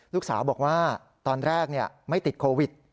ลูกสาวบอกว่าตอนแรกไม่ติดโควิด